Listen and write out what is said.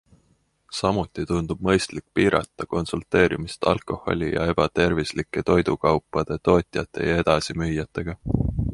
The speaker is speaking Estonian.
Samuti tundub mõistlik piirata konsulteerimist alkoholi- ja ebatervislike toidukaupade tootjate ja edasimüüjatega.